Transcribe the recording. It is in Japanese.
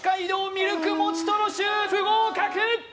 ミルクもちとろシュー不合格！